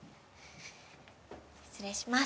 失礼します。